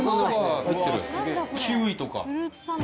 キウイとか。